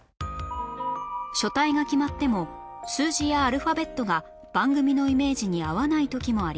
書体が決まっても数字やアルファベットが番組のイメージに合わない時もあります